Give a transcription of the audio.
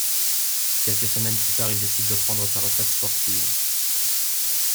Quelques semaines plus tard, il décide de prendre sa retraite sportive.